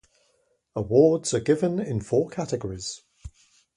Awards are given in four categories.